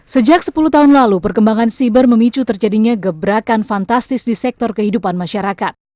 sejak sepuluh tahun lalu perkembangan siber memicu terjadinya gebrakan fantastis di sektor kehidupan masyarakat